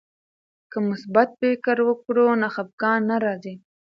که مثبت فکر وکړو نو خفګان نه راځي.